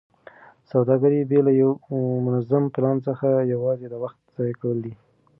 سوداګري بې له یوه منظم پلان څخه یوازې د وخت ضایع کول دي.